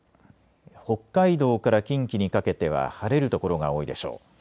北海道から近畿にかけては晴れる所が多いでしょう。